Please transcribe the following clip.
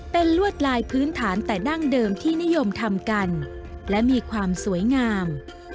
เป็นลวดลายพื้นฐานแต่ดั้งเดิมที่นิยมทำกันและมีความสวยงาม